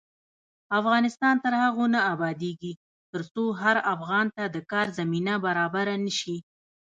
افغانستان تر هغو نه ابادیږي، ترڅو هر افغان ته د کار زمینه برابره نشي.